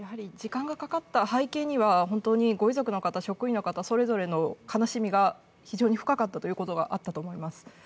時間がかかった背景には、本当にご遺族の方、職員の方、それぞれの悲しみが非常に深かったということがあったと思います。